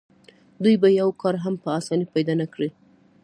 دوی به یو کار هم په اسانۍ پیدا نه کړي